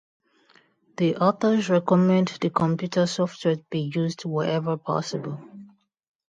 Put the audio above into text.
The authors recommend the computer software be used wherever possible.